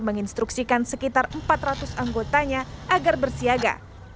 menginstruksikan sekitar empat ratus anggotanya agar bersiaga